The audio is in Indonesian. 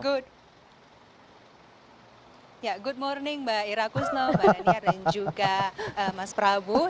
good morning mbak ira kusno mbak daniar dan juga mas prabu